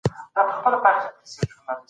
د معاشونو زیاتوالی د پیرودلو توان ډېروي.